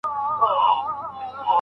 د هر چا د زحمت قدر وکړئ.